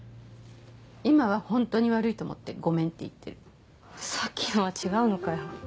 今は本当に悪いと思ってごめんって言ってるさっきのは違うのかよ